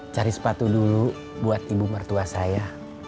cari sepatu dulu buat ibu mertua saya